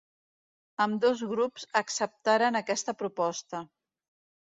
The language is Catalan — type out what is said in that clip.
Ambdós grups acceptaren aquesta proposta.